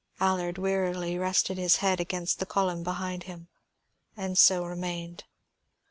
Allard wearily rested his head against the column behind him, and so remained.